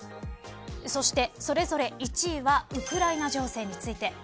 そして、それぞれ１位はウクライナ情勢について。